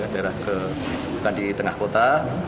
bukan di tengah kota